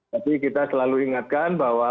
tapi kita selalu ingatkan bahwa